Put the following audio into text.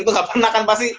itu gak pernah kan pasti